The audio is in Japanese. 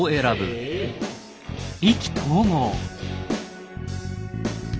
意気投合。